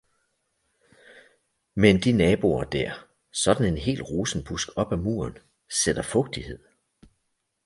Men de naboer der, sådan en hel rosenbusk op ad muren, sætter fugtighed